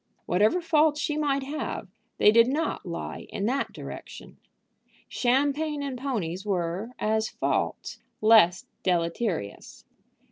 Whatever faults she might have, they did not lie in that direction. Champagne and ponies were, as faults, less deleterious.